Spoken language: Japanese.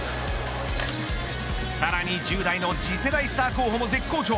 さらに１０代の次世代スター候補も絶好調。